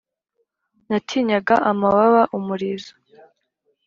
natinyaga amababa umurizo